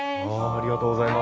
ありがとうございます。